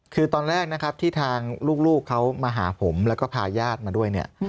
คือตอนแรกนะครับที่ทางลูกเขามาหาผมแล้วก็พาญาติมาด้วยเนี่ย